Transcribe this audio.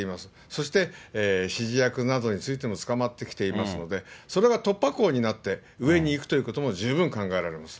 そして指示役などについても捕まってきていますので、それが突破口になって上にいくということも十分考えられます。